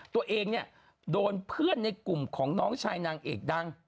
ตัวเองเนี่ยโดนเพื่อนในกลุ่มของน้องชายนางเอกดัง